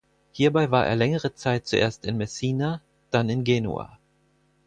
Hierbei war er längere Zeit zuerst in Messina, dann in Genua.